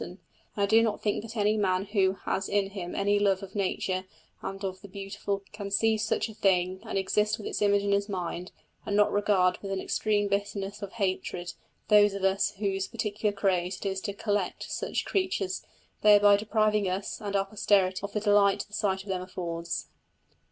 And I do not think that any man who has in him any love of nature and of the beautiful can see such a thing, and exist with its image in his mind, and not regard with an extreme bitterness of hatred those among us whose particular craze it is to "collect" such creatures, thereby depriving us and our posterity of the delight the sight of them affords.